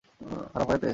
খারাপ হয় এতে?